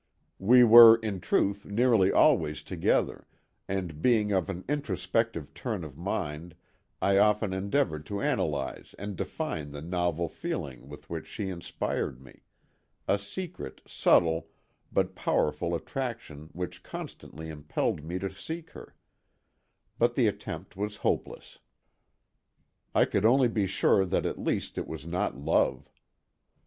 We were, in truth, nearly always together, and being of an introspective turn of mind I often endeavored to analyze and define the novel feeling with which she inspired me—a secret, subtle, but powerful attraction which constantly impelled me to seek her; but the attempt was hopeless. I could only be sure that at least it was not love.